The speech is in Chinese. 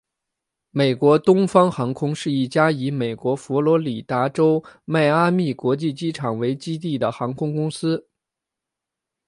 美国东方航空是一家以美国佛罗里达州迈阿密国际机场为基地的航空公司。